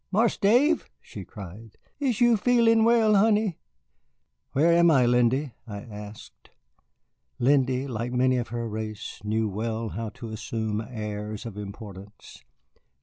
"Marse Dave," she cried, "is you feelin' well, honey?" "Where am I, Lindy?" I asked. Lindy, like many of her race, knew well how to assume airs of importance.